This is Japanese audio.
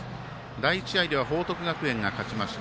第１試合では報徳学園が勝ちました。